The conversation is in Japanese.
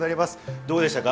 どうでしたか？